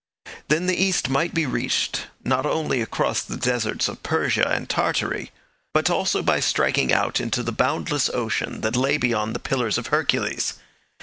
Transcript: Then the East might be reached, not only across the deserts of Persia and Tartary, but also by striking out into the boundless ocean that lay beyond the Pillars of Hercules.